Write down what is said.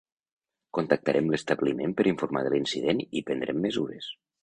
Contactarem l'establiment per informar de l'incident i prendrem mesures.